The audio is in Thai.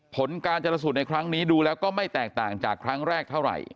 ผลการจรสูตรในครั้งนี้ดูแล้วก็ไม่แตกต่างจากครั้งแรกเท่าไหร่